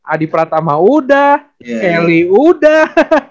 adipratama udah kelly udah